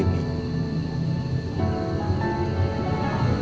saya ngajak kamu kesini